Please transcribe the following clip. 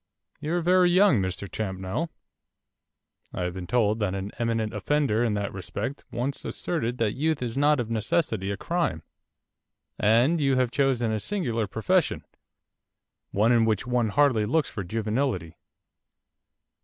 'You are very young, Mr Champnell.' 'I have been told that an eminent offender in that respect once asserted that youth is not of necessity a crime.' 'And you have chosen a singular profession, one in which one hardly looks for juvenility.